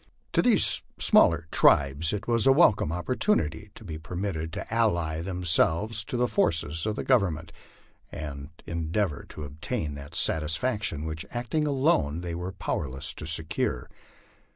To these smaller tribes it was a welcome opportu nity to be permitted to ally themselves to the forces of the Government, and endeavor to obtain that satisfaction which acting alone they were power less to secure.